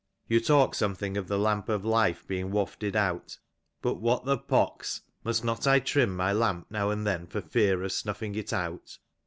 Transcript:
You talk something of the lamp of life being wafted ^ out ; but what the pox, must not I trim my lamp now and then ^ for fear of snuffing it out